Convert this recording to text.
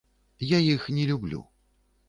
Я іх не люблю.